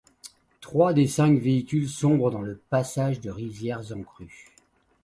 Trois des cinq véhicules sombrent dans le passage de rivières en crue.